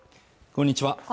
こんにちは